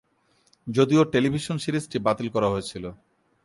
যদিও টেলিভিশন সিরিজটি বাতিল করা হয়েছিল।